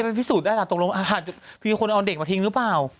ไม่รู้ว่าใครจะไปพิสูจน์ได้ล่ะตรงรวมอาหาร